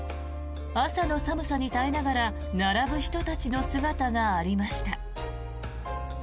朝の寒さに耐えながら並ぶ人たちの姿がありました。